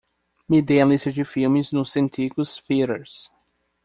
Me dê a lista de filmes no Santikos Theatres